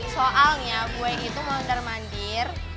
soalnya gue itu mau ngegar mandir